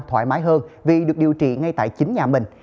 thoải mái hơn vì được điều trị ngay tại chính nhà mình